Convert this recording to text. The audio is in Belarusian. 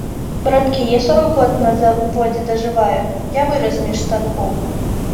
Браткі, я сорак год на заводзе дажываю, я вырас між станкоў.